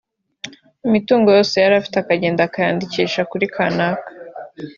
imitungo yose yari afite akagenda akayandikisha kuri kanaka